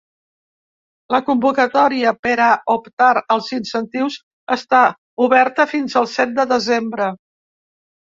La convocatòria per a optar als incentius està oberta fins al set de desembre.